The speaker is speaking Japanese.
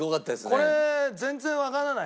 これ全然わからないね